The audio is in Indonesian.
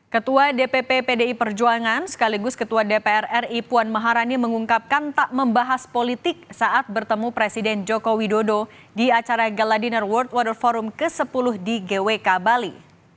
ketua dpp pdi perjuangan sekaligus ketua dpr ri puan maharani mengungkapkan tak membahas politik saat bertemu presiden joko widodo di acara galadiner world water forum ke sepuluh di gwk bali